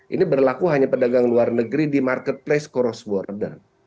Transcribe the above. ini berlaku hanya pedagang luar negeri di marketplace cross border